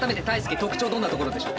特徴どんなところでしょう。